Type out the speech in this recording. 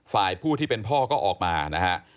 ฝ่ายผู้ที่เป็นพ่อก็ออกมานะฮะ